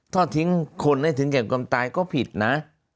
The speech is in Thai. ทอดทิ้งคนให้ถึงแก่ความตายก็ผิดนะ